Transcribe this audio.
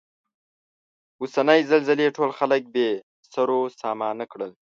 اوسنۍ زلزلې ټول خلک بې سرو سامانه کړل.